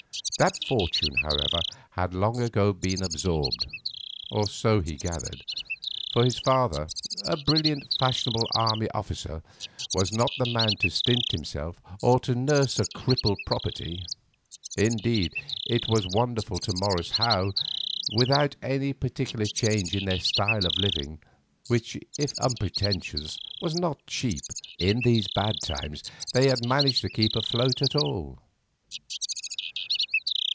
That fortune, however, had long ago been absorbed—or so he gathered—for his father, a brilliant and fashionable army officer, was not the man to stint himself or to nurse a crippled property. Indeed, it was wonderful to Morris how, without any particular change in their style of living, which, if unpretentious, was not cheap, in these bad times they had managed to keep afloat at all.